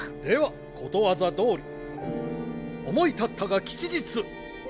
ではことわざどおり「思い立ったが吉日」。